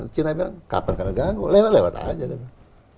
china bilang kapan kena ganggu lewat lewat aja deh